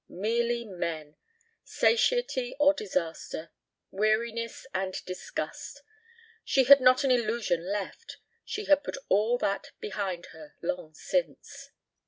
Merely men. Satiety or disaster. Weariness and disgust. She had not an illusion left. She had put all that behind her long since.